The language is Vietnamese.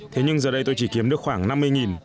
thế nhưng giờ đây tôi chỉ kiếm được khoảng năm mươi